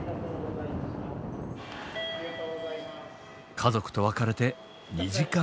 家族と別れて２時間半。